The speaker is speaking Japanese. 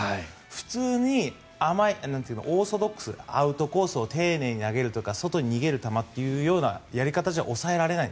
普通に甘い、オーソドックスアウトコースに丁寧に投げるとか外に逃げるような球ということじゃ抑えられない。